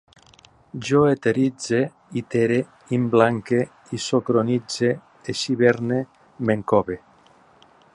Jo eteritze, itere, emblanque, isocronitze, eixiverne, m'encove